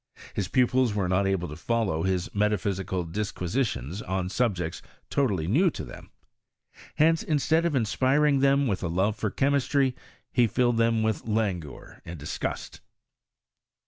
His pupils were not able to follow htt metaphysical disquisitions on subjects totally new to them ; hence, instead of inspiring them with • love for chemistry, be Ailed them with langour and disgust.